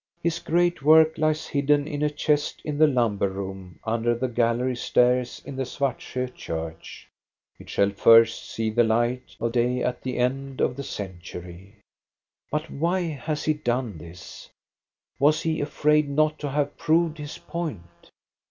His great work lies hidden in a chest in the lumber room under the gallery stairs in the Svartsjo church ; it shall first see the light of day at the end of the century. But why has he done this? Was he afraid not to have proved his point?